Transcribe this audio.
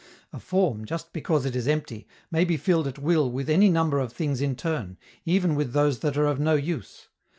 A form, just because it is empty, may be filled at will with any number of things in turn, even with those that are of no use.